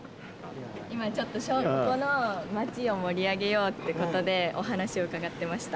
今ちょっとここの街を盛り上げようってことでお話を伺ってました。